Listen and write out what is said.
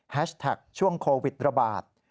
แท็กช่วงโควิดระบาด